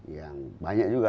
yang banyak juga